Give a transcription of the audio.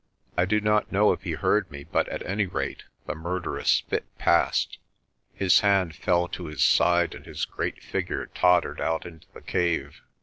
I do not know if he heard me but at any rate the mur derous fit passed. His hand fell to his side and his great figure tottered out into the cave.